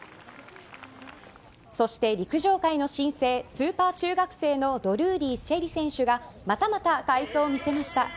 そして陸上界の新星・スーパー中学生のドルーリー朱瑛里選手がまたまた、快走を見せました。